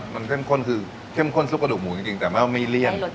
มันเข้มข้นคือเข้มข้นซุปกระดูกหมูจริงแต่ว่าไม่เลี่ยง